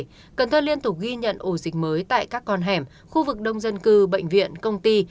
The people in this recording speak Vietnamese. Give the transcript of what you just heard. tuy nhiên cần thơ liên tục ghi nhận ổ dịch mới tại các con hẻm khu vực đông dân cư bệnh viện công ty